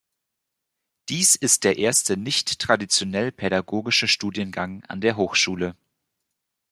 Dies ist der erste nicht traditionell pädagogische Studiengang an der Hochschule.